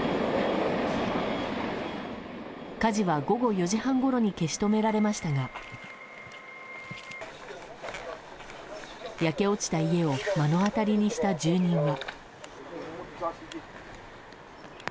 火事は午後４時半ごろに消し止められましたが焼け落ちた家を目の当たりにした住人は。